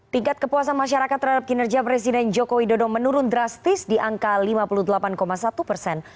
tingkat kepuasan masyarakat terhadap kinerja presiden joko widodo menurun drastis di angka lima puluh delapan satu persen